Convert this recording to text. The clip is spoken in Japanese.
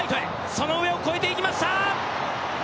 その上を超えていきました！